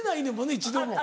一度も。